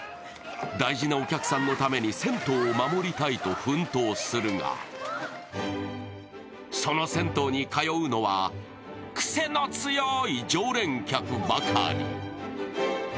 大事なお客さんのために銭湯を守りたいと奮闘するが、その銭湯に通うのは、癖の強い常連客ばかり。